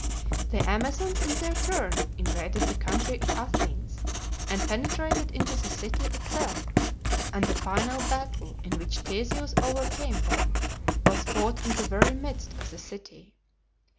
The Amazons in their turn invaded the country of Athens and penetrated into the city itself; and the final battle in which Theseus overcame them was fought in the very midst of the city.